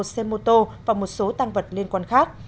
một xe mô tô và một số tăng vật liên quan khác